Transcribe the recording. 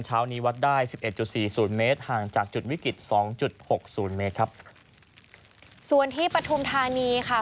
เช้านี้วัดได้สิบเอ็ดจุดสี่ศูนย์เมตรห่างจากจุดวิกฤตสองจุดหกศูนย์เมตรครับส่วนที่ปฐุมธานีค่ะ